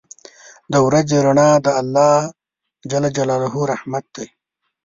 • د ورځې رڼا د الله رحمت دی.